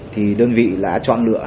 thì đơn vị đã chọn lựa